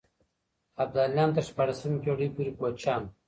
ابداليان تر شپاړسمې پېړۍ پورې کوچيان وو.